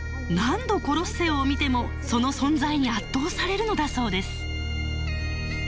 何度コロッセオを見てもその存在に圧倒されるのだそうです。